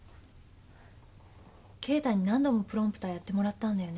敬太に何度もプロンプターやってもらったんだよね。